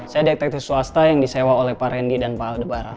saya detektif swasta yang disewa oleh pak rendy dan pak aldebaran